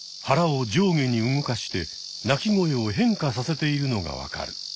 腹を上下に動かして鳴き声を変化させているのがわかる。